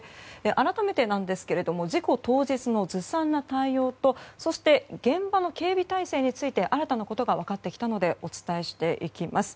改めてなんですけれども事故当日のずさんな対応とそして、現場の警備体制について新たなことが分かってきたのでお伝えしていきます。